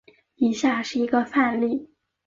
以下是一个范例。